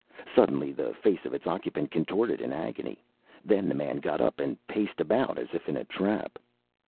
Suddenly the face of its occupant contorted in agony, then the man got up and paced about as if in a trap.